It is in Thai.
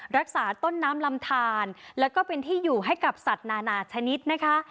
รักษาต้นน้ำลำทานแล้วก็เป็นที่อยู่ให้กับสัตว์นานาชนิดนะคะ